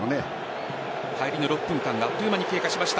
入りの６分間があっという間に経過しました。